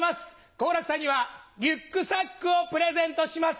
好楽さんにはリュックサックをプレゼントします。